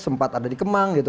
sempat ada di kemang